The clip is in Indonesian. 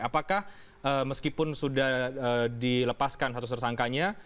apakah meskipun sudah dilepaskan satu satunya sangkanya